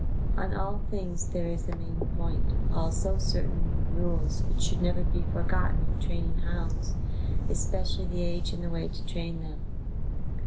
On all things there is a main point, also certain rules which should never be forgotten in training hounds, especially the age and the way to train them.